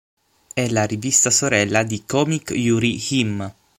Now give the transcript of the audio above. È la rivista sorella di "Comic Yuri Hime".